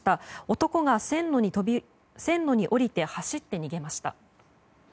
男が線路におりて走って逃げました。